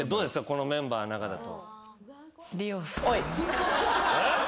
このメンバーの中だと。